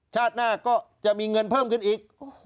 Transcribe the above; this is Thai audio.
ชาติหน้าก็จะมีเงินเพิ่มขึ้นอีก